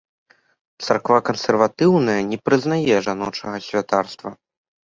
Царква кансерватыўная, не прызнае жаночага святарства.